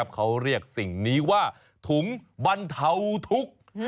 เขาเรียกสิ่งนี้ว่าถุงบรรเทาทุกข์